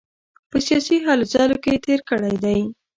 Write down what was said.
په سیاسي هلو ځلو کې تېر کړی دی.